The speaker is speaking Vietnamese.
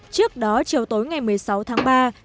trước đó chiều tối ngày một mươi sáu tháng ba